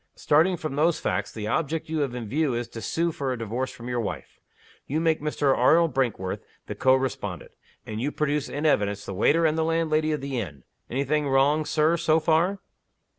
Starting from those facts, the object you have in view is to sue for a Divorce from your wife. You make Mr. Arnold Brinkworth the co respondent. And you produce in evidence the waiter and the landlady of the inn. Any thing wrong, Sir, so far?"